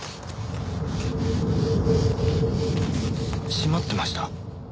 閉まってました。